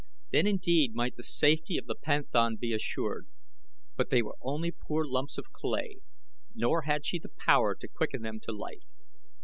Then indeed might the safety of the panthan be assured; but they were only poor lumps of clay, nor had she the power to quicken them to life.